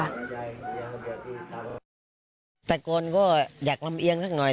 ตะโกนก็อยากลำเอียงสักหน่อย